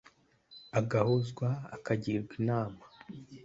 agahozwa, akagirwa inama,